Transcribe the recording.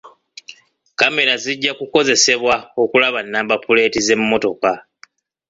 Kamera zijja kukozesebwa okulaba namba puleeti z'emmotoka.